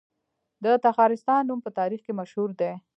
د تخارستان نوم په تاریخ کې مشهور دی